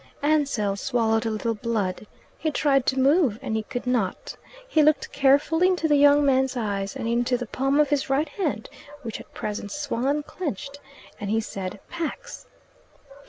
Ansell swallowed a little blood. He tried to move, and he could not. He looked carefully into the young man's eyes and into the palm of his right hand, which at present swung unclenched, and he said "Pax!"